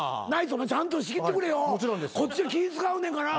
こっち気使うねんから。